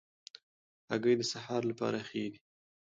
هګۍ د سهار لپاره ښې دي.